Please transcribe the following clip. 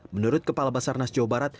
menurut kepala basarnas jawa